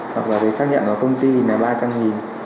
hoặc là giấy xác nhận của công ty là ba trăm linh nghìn